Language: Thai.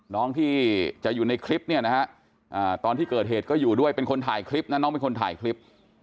น้องที่จะอยู่ในคลิปเนี่ยนะฮะตอนที่เกิดเหตุก็อยู่ด้วยเป็นคนถ่ายคลิปนะน้องเป็นคนถ่ายคลิป